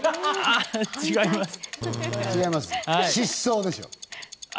違います。